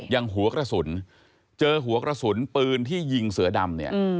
หัวกระสุนเจอหัวกระสุนปืนที่ยิงเสือดำเนี่ย